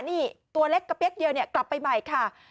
นี่ตัวเล็กกระเปี๊ยกเดียวเนี่ยกลับไปใหม่ค่ะ